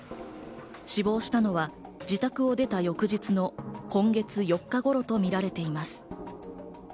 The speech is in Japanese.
死亡したのは自宅を出た翌日の今月４日頃とみられています。